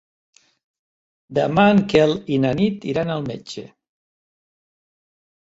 Demà en Quel i na Nit iran al metge.